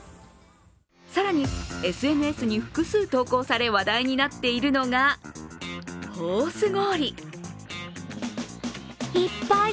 更にＳＮＳに複数投稿され、話題になっているのがホース氷。